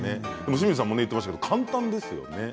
清水さんも言っていましたが簡単ですよね。